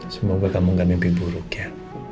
semoga kamu gak mimpi buruk ya